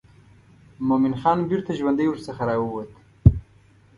مومن خان بیرته ژوندی ورڅخه راووت.